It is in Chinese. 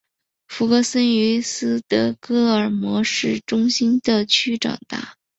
弗格森于斯德哥尔摩市中心的区长大。